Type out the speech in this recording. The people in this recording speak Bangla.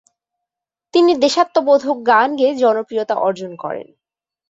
তিনি দেশাত্মবোধক গান গেয়ে জনপ্রিয়তা অর্জন করেন।